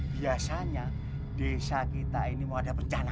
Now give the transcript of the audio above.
biasanya desa kita ini mau ada rencana